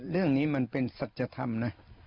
เรื่องนี้มันเป็นสัจธรรมนะ